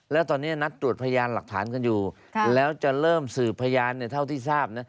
แล้วตอนนี้นัดตรวจพยานหลักฐานกันอยู่แล้วจะเริ่มสืบพยานเท่าที่ทราบนะ